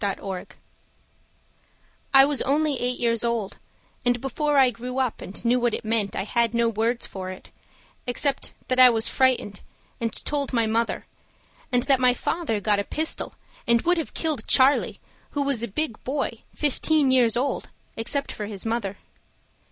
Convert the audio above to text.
Nellie Clark I was only eight years old; And before I grew up and knew what it meant I had no words for it, except That I was frightened and told my Mother; And that my Father got a pistol And would have killed Charlie, who was a big boy, Fifteen years old, except for his Mother.